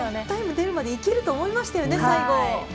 タイム出るまでいけると思いましたよね。